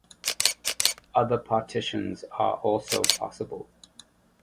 Other partitions are also possible.